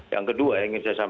yang kedua ya itu sebagainya yo